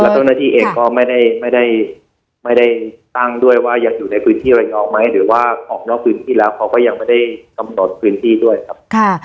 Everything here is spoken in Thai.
เจ้าหน้าที่เองก็ไม่ได้ตั้งด้วยว่ายังอยู่ในพื้นที่อะไรอย่างนี้ออกไหมหรือว่าออกนอกพื้นที่แล้วเขาก็ยังไม่ได้กำหนดพื้นที่ด้วยครับ